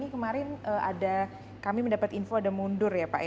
kami mendapat info kemarin ada mundur ya pak